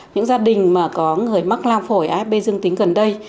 những gia đình mà có người mắc lao phổi afp dương tính gần đây